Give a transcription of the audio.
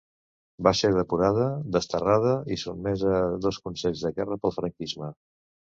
Va ser depurada, desterrada i sotmesa a dos consells de guerra pel franquisme.